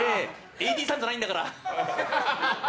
ＡＤさんじゃないんだから！